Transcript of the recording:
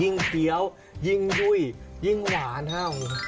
ยิ่งเตี๋ยวยิ่งดุ้ยยิ่งหวานฮะ